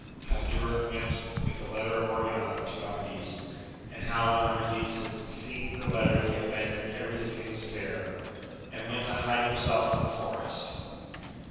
III. — 'How Durin went with the letter of Oriana to Amadis, and how when Amadis had seen the letter he aban doned everything in despair, and went to hide himself in the forest.